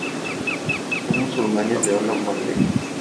Son musulmanes de habla malaya.